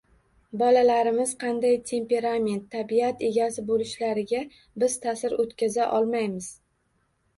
Bolalarimiz qanday temperament – tabiat egasi bo‘lishlariga biz taʼsir o‘tkaza olmaymiz